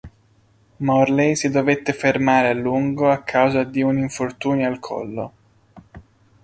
Morley si dovette fermare a lungo a causa di un infortunio al collo.